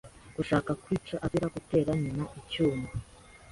gushaka kwica azira gutera nyina icyuma.